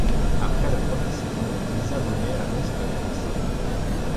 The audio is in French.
Après la première saison, Lisa Bonet annonce qu'elle est enceinte.